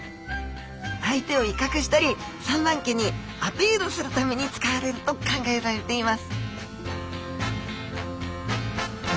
相手を威嚇したり産卵期にアピールするために使われると考えられています